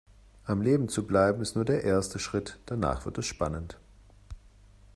Am Leben zu bleiben ist nur der erste Schritt, danach wird es spannend.